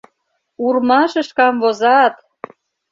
Урмашыш камвозат!